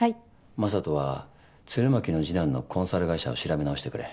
眞人は鶴巻の次男のコンサル会社を調べ直してくれ。